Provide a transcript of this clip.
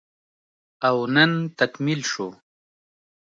او نن تکميل شو